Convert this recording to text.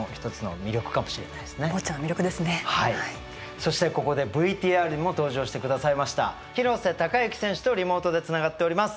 そしてここでＶＴＲにも登場してくださいました廣瀬隆喜選手とリモートでつながっております。